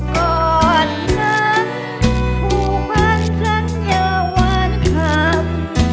กอดหมอนน้ำผู้พันธรรมอย่าวาดขับ